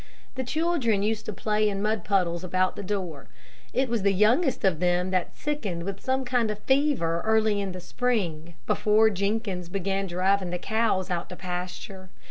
The children used to play in mud puddles about the door. It was the youngest of them that sickened with some kind of fever early in the spring, before Jenkins began driving the cows out to pasture.